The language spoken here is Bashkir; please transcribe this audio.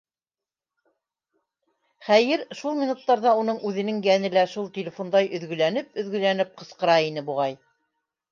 Хәйер, шул минуттарҙа уның үҙенең йәне лә шул телефондай өҙгөләнеп-өҙгөләнеп ҡысҡыра ине, буғай.